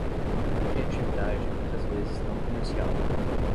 A criatividade é muitas vezes não comercial.